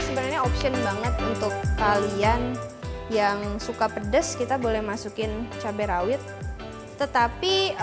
sebenarnya option banget untuk kalian yang suka pedes kita boleh masukin cabai rawit tetapi